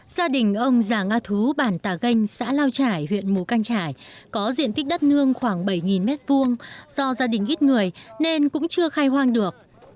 gia đình ông già a thú bản tà ganh xã lao trải huyện mù căng trải có diện tích đất nương khoảng bảy m hai do gia đình ít người nên cũng chưa khai hoang được